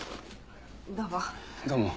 どうも。